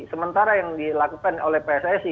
sementara yang dilakukan oleh pssi